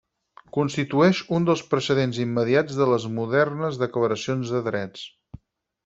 Constitueix un dels precedents immediats de les modernes Declaracions de Drets.